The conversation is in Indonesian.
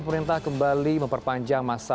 pemerintah kembali memperpanjang masa